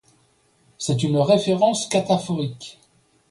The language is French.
C'est une référence cataphorique.